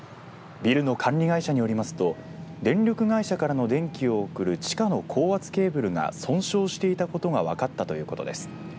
ビルの管理会社によりますと電力会社からの電気を送る地下の高圧ケーブルが損傷していたことが分かったということです。